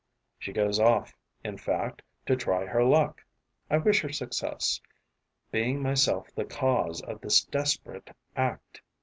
She goes off, in fact, to try her luck. I wish her success, being myself the cause of this desperate act.